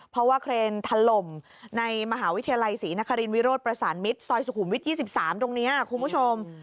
เพราะว่าเครนถล่มในมหาวิทยาลัยศรีนครินวิโรธประสานมิตรซอยสุขุมวิท๒๓ตรงนี้คุณผู้ชม